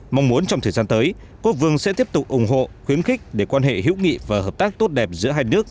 mong muốn trong thời gian tới quốc vương sẽ tiếp tục ủng hộ khuyến khích để quan hệ hữu nghị và hợp tác tốt đẹp giữa hai nước